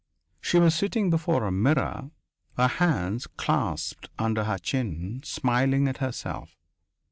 She was sitting before a mirror, her hands clasped under her chin, smiling at herself....